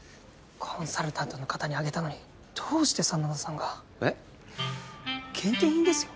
コンサルタントの方にあげたのにどうして真田さんが。えっ？限定品ですよ？